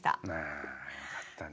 あよかったね。